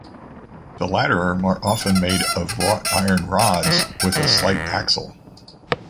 The latter are more often made of wrought-iron rods, with a slight axle.